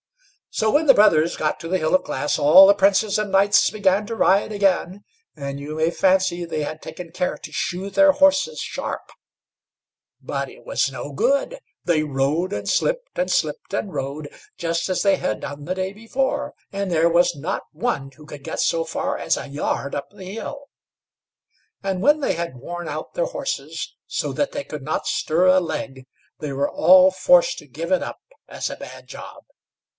So when the brothers got to the Hill of Glass, all the princes and knights began to ride again, and you may fancy they had taken care to shoe their horses sharp; but it was no good they rode and slipped, and slipped and rode, just as they had done the day before, and there was not one who could get so far as a yard up the hill. And when they had worn out their horses, so that they could not stir a leg, they were all forced to give it up as a bad job.